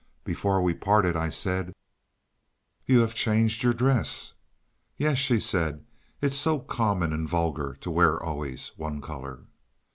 Before we parted I said "You have changed your dress." "Yes," she said, "it's so common and vulgar to wear always one colour."